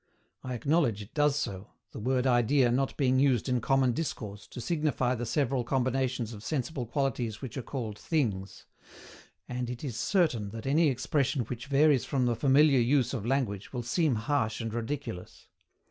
I acknowledge it does so the word IDEA not being used in common discourse to signify the several combinations of sensible qualities which are called THINGS; and it is certain that any expression which varies from the familiar use of language will seem harsh and ridiculous.